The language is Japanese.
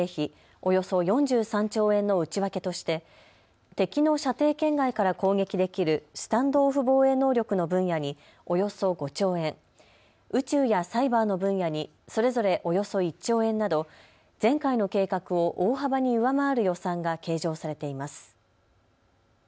およそ４３兆円の内訳として敵の射程圏外から攻撃できるスタンド・オフ防衛能力の分野におよそ５兆円、宇宙やサイバーの分野にそれぞれおよそ１兆円など、前回の計画を大幅に上回る予算が計上されています。